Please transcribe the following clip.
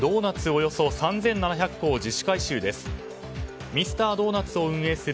およそ３７００個を自主回収です。